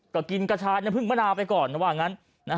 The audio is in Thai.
ก็กินกระชายน้ำผึ้งมะนาวไปก่อนว่างั้น